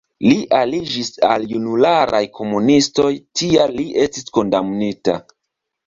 Li aliĝis al junularaj komunistoj, tial li estis kondamnita.